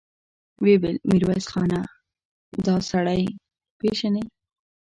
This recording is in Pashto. ويې ويل: ميرويس خانه! دآسړی پېژنې؟